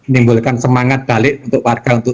menimbulkan semangat balik untuk warga untuk